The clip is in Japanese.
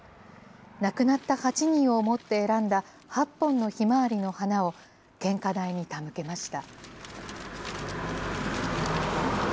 亡くなった８人を思って選んだ８本のひまわりの花を、献花台に手向けました。